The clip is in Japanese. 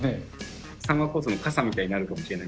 三和交通の傘みたいになるかもしれない。